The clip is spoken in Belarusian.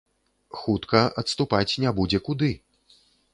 Хутка адступаць не будзе куды.